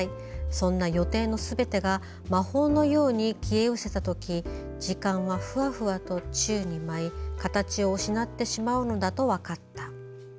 「そんな予定のすべてが魔法のように消え失せたとき時間はふわふわと宙に舞い形を失ってしまうのだとわかった」。